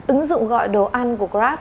ứng dụng gọi đồ ăn của grab